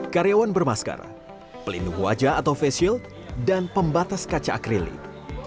karyawan bermasker pelindung wajah atau face shield dan pembatas kaca akrilik